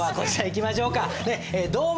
いきましょうか。